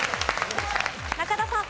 中田さん。